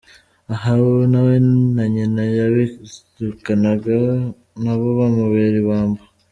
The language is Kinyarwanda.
Aha we na nyina yabirukanaga nabo bamubera ibamba.